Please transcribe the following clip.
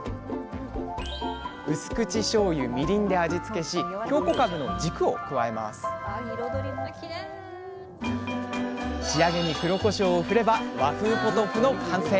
うす口しょうゆみりんで味付けし京こかぶの軸を加えます仕上げに黒こしょうを振れば和風ポトフの完成。